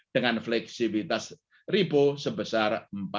dengan fleksibilitas ripo sebesar empat lima